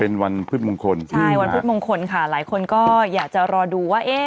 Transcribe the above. เป็นวันพฤติมงคลใช่วันพฤติมงคลค่ะหลายคนก็อยากจะรอดูว่าเอ๊ะ